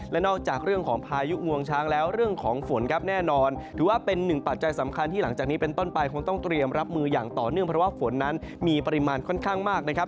และนอกจากเรื่องของพายุงวงช้างแล้วเรื่องของฝนครับแน่นอนถือว่าเป็นหนึ่งปัจจัยสำคัญที่หลังจากนี้เป็นต้นไปคงต้องเตรียมรับมืออย่างต่อเนื่องเพราะว่าฝนนั้นมีปริมาณค่อนข้างมากนะครับ